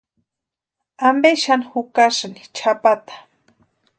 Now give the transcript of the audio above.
¿Ampe xani jukasïni chʼapata?